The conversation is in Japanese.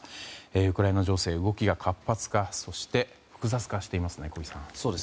ウクライナ情勢、動きが活発化そして、複雑化していますね小木さん。